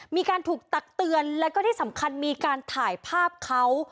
มีการถูกตักเตือนแล้วก็ที่สำคัญมีการถ่ายภาพเขา